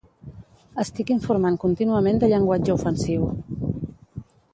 Estic informant contínuament de llenguatge ofensiu